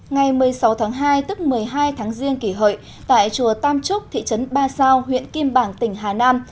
ngày một mươi sáu tháng hai tức một mươi hai tháng riêng kỷ hợi tại chùa tam trúc thị trấn ba sao huyện kim bảng tỉnh hà nam